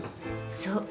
そう。